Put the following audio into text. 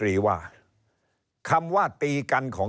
เริ่มตั้งแต่หาเสียงสมัครลง